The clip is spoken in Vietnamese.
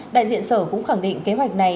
đại diện sở cũng khẳng định kế hoạch này